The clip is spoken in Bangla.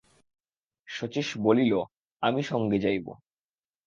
শচীশ বলিল, আমি সঙ্গে যাইব।